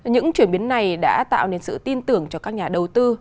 những chuyển biến này đã tạo nên sự tin tưởng cho các nhà đầu tư